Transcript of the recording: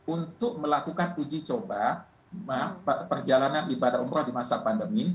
untuk melakukan uji coba perjalanan ibadah umroh di masa pandemi